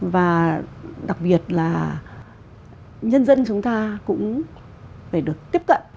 và đặc biệt là nhân dân chúng ta cũng phải được tiếp cận